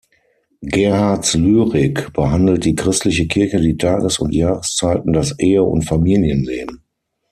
Gerhardts Lyrik behandelt die christliche Kirche, die Tages- und Jahreszeiten, das Ehe- und Familienleben.